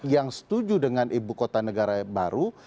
yang setuju dengan ibu kota negara baru